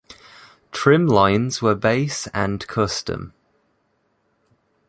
Trim lines were base and Custom.